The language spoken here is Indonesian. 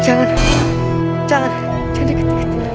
jangan jangan jangan